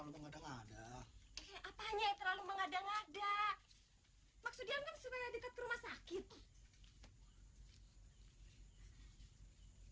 buat anak kita ucapan selamat pakai klub